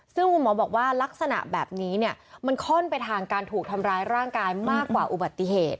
ซึ่งคุณหมอบอกว่าลักษณะแบบนี้เนี่ยมันค่อนไปทางการถูกทำร้ายร่างกายมากกว่าอุบัติเหตุ